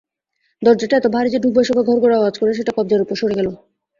দরজাটা এত ভারি যে ঢুকবার সময়ে ঘরঘর আওয়াজ করে সেটা কবজার উপরে সরে গেল।